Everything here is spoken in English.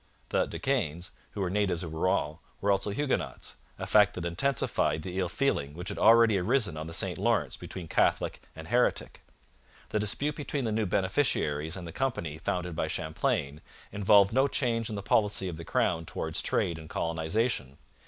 The De Caens, who were natives of Rouen, were also Huguenots, a fact that intensified the ill feeling which had already arisen on the St Lawrence between Catholic and heretic. The dispute between the new beneficiaries and the company founded by Champlain involved no change in the policy of the crown towards trade and colonization.